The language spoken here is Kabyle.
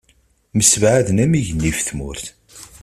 Msebɛaden am yigenni ɣef tmurt.